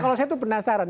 kalau saya itu penasaran